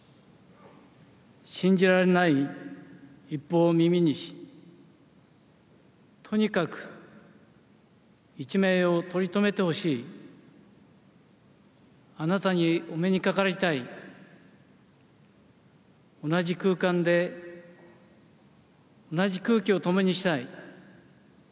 信じられない一報を耳にし、とにかく一命をとりとめてほしい、あなたにお目にかかりたい、同じ空間で、同じ空気を共にしたい。